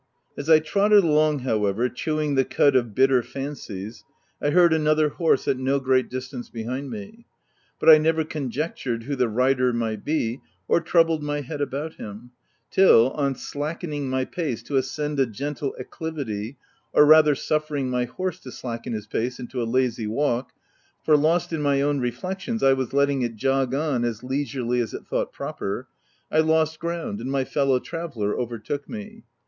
As I trotted along, however, chewing the cud of— bitter fancies, I heard another horse at no 23fi THE TENANT great distance behind me ; but I never conjec tured who the rider might be — or troubled my head about him, till on slackening my pace to ascend a gentle acclivity — or rather suffering my horse to slacken its pace into a lazy walk ; for, lost in my own reflexions, I was letting it jog on as leisurely as it thought proper— I lost ground, and my fellow traveller overtook me.